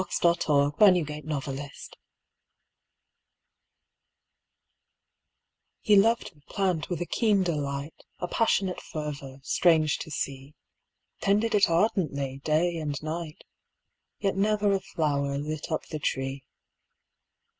28 Story by Lalla ji, the Priest He loved the Plant with a keen delight, A passionate fervour, strange to see, Tended it ardently, day and night. Yet never a flower lit up the tree.